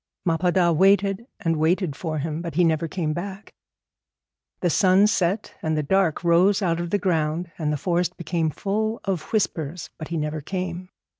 Ma Pa Da waited and waited for him, but he never came back. The sun set and the dark rose out of the ground, and the forest became full of whispers, but he never came.